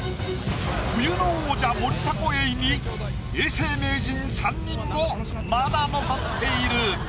冬の王者森迫永依に永世名人３人もまだ残っている。